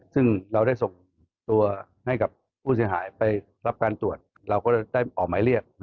ซึ่งเราได้ส่งตัวให้กับผู้เสียหายไปรับการตรวจเราก็ได้ออกหมายเรียก